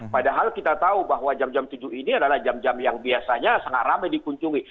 padahal kita tahu bahwa jam jam tujuh ini adalah jam jam yang biasanya sangat ramai dikunjungi